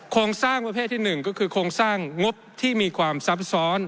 โครงสร้างประเภทที่๑ก็คือโครงสร้างงบที่มีความซับซ้อน